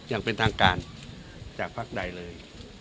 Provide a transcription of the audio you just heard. ยังเป็นทางการจากภาคใดเลย